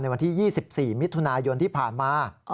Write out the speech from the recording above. วันที่๒๔มิถุนายนที่ผ่านมา